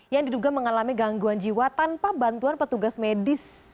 yang diduga mengalami gangguan jiwa tanpa bantuan petugas medis